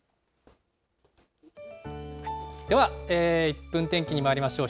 では、１分天気にまいりましょう。